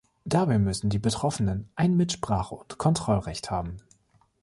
Dabei müssen die Betroffenen ein Mitsprache- und Kontrollrecht haben.